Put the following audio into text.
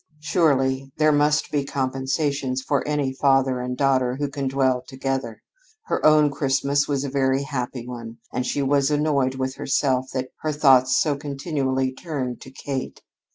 Surely there must be compensations for any father and daughter who can dwell together. Her own Christmas was a very happy one, and she was annoyed with herself that her thoughts so continually turned to Kate.